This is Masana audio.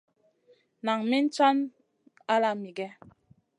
Nan min caŋu ala migè?